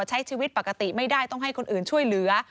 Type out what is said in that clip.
ใช้ชีวิตปกติไม่ได้ต้องให้คนอื่นช่วยเหลือ